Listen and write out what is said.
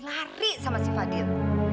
lari sama si fadil